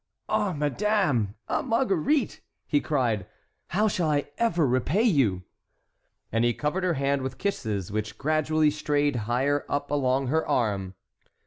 "Ah, madame! ah, Marguerite!" he cried, "how shall I ever repay you?" And he covered her hand with kisses which gradually strayed higher up along her arm.